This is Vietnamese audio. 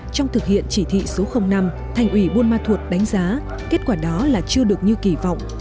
trong thực hiện chỉ thị số năm thành ủy buôn ma thuột đánh giá kết quả đó là chưa được như kỳ vọng